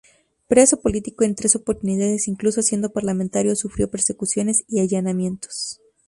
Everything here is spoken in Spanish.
Preso político en tres oportunidades, incluso siendo parlamentario sufrió persecuciones y allanamientos.